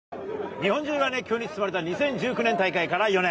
日本中が熱狂に包まれた２０１９年大会から４年。